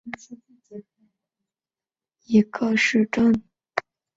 皮奥伊州拉戈阿是巴西皮奥伊州的一个市镇。